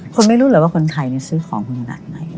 ไม่รู้เลยว่าคนไทยซื้อของคุณขนาดไหน